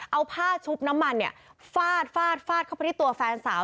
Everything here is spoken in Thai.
เอาผ้าชุบน้ำมันเนี่ยฟาดฟาดฟาดเข้าไปที่ตัวแฟนสาว